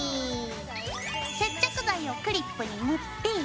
接着剤をクリップに塗って。